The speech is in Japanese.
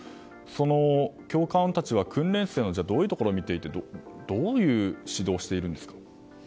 教官たちは訓練生のどんなところを見てどういう指導をしているんですか？